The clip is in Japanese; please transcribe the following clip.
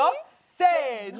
せの！